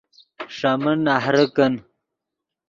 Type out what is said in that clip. ݰے من نہرے کن